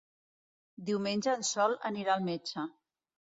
Diumenge en Sol anirà al metge.